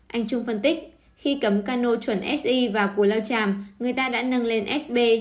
anh trung phân tích khi cấm cano chuẩn si vào cù lao tràm người ta đã nâng lên sb